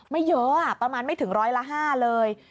ไม่เยอะประมาณไม่ถึงร้อยละ๕เลย